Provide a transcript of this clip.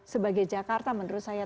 sebagai jakarta menurut saya